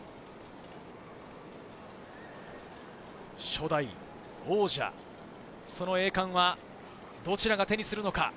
初代王者、その栄冠はどちらが手にするのか？